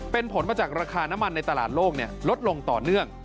เป็นผลมาจากราคาน้ำมันในตลาดโลกลดลงต่อเนื่อง